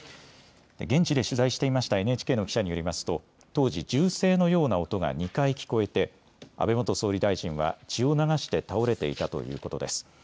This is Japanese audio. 現地で取材していましたＮＨＫの記者によりますと当時、銃声のような音が２回聞こえて安倍元総理大臣は血を流して倒れていたということです。